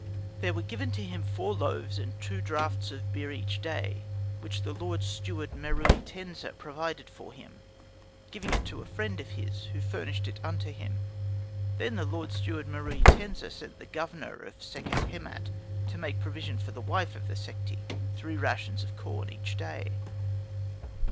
There were given to him four loaves and two draughts of beer each day; which the Lord Steward Meruitensa provided for him, giving it to a friend of his, who furnished it unto him. Then the Lord Steward Meruitensa sent the governor of the Sekhet Hemat to make provision for the wife of the Sekhti, three rations of corn each day.